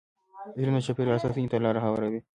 علم د چاپېریال ساتنې ته لاره هواروي.